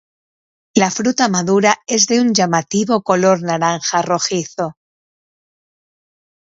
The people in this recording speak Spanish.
La fruta madura es de un llamativo color naranja rojizo.